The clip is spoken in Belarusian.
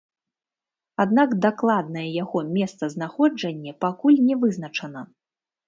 Аднак дакладнае яго месцазнаходжанне пакуль не вызначана.